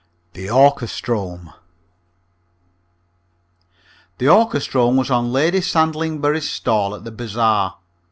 THE ORCHESTROME The orchestrome was on Lady Sandlingbury's stall at the bazaar.